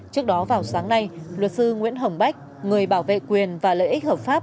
trước đó vào sáng nay luật sư nguyễn hồng bách người bảo vệ quyền và lợi ích hợp pháp